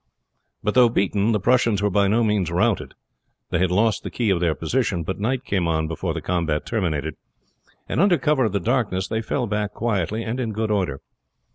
But though beaten the Prussians were by no means routed. They had lost the key of their position; but night came on before the combat terminated, and under cover of the darkness they fell back quietly and in good order.